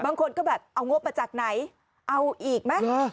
บางคนก็แบบเอางบมาจากไหนเอาอีกไหม